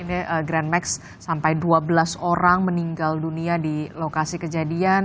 ini grand max sampai dua belas orang meninggal dunia di lokasi kejadian